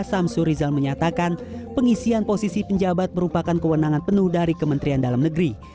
samsur rizal menyatakan pengisian posisi penjabat merupakan kewenangan penuh dari kementerian dalam negeri